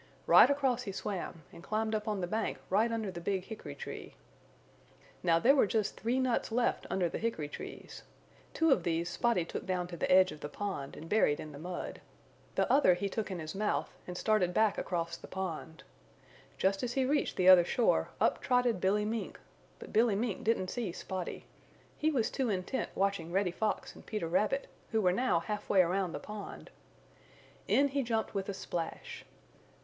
Right across he swam, and climbed up the bank right under the big hickory tree. Now there were just three nuts left under the hickory trees. Two of these Spotty took down to the edge of the pond and buried in the mud. The other he took in his mouth and started back across the pond. Just as he reached the other shore up trotted Billy Mink, but Billy Mink didn't see Spotty. He was too intent watching Reddy Fox and Peter Rabbit, who were now half way around the pond. In he jumped with a splash.